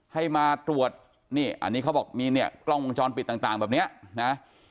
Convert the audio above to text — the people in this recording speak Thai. ให้มาตรวจนี่อันนี้เขาบอกมีเนี่ยกล้องวงจรปิดต่างแบบนี้นะ